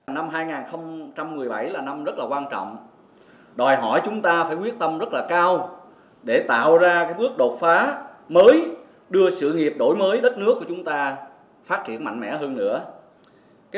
năm hai nghìn một mươi bảy là năm rất là quan trọng đòi hỏi chúng ta phải quyết tâm rất là cao để tạo ra bước đột phá mới đưa sự nghiệp đổi mới đất nước của chúng ta phát triển mạnh mẽ hơn nữa